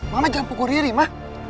mama jangan pukul diri mah